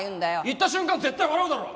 言った瞬間絶対笑うだろ！